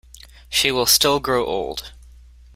She will still grow old.